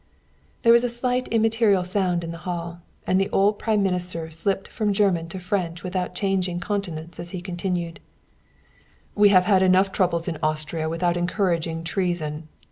There was a slight immaterial sound in the hall, and the old prime minister slipped from German to French without changing countenance as he continued: "We have enough troubles in Austria without encouraging treason.